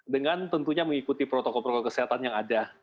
dengan tentunya mengikuti protokol protokol kesehatan yang ada